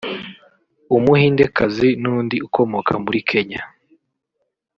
Umuhindekazi n’undi ukomoka muri Kenya